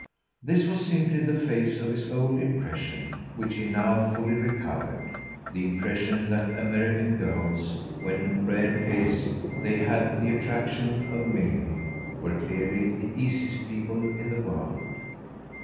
This was simply the face of his old impression, which he now fully recovered the impression that American girls, when, rare case, they had the attraction of Milly, were clearly the easiest people in the world.